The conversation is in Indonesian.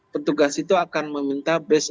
petugas itu akan meminta base